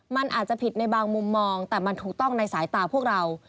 มันอาจจะผิดในบางมุมมองแต่มันถูกต้องในสายตาพวกเรา